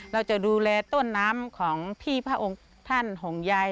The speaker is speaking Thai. เราจะดูแลต้นน้ำของพี่พระองค์ท่านห่วงใย